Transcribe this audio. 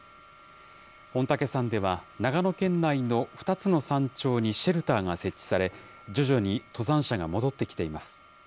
御嶽山では、長野県内の２つの山頂にシェルターが設置され、徐々に登山者が戻ってきています。